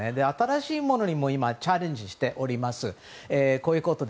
新しいものにも今チャレンジしております。